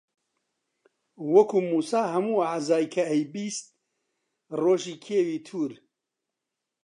وەکوو مووسا هەموو ئەعزای کە ئەیبیست ڕۆژی کێوی توور